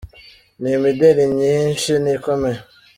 n’imideli nyinshi n’ikomeye.